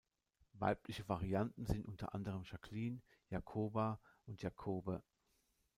Weibliche Varianten sind unter anderen Jacqueline, Jacoba und Jakobe.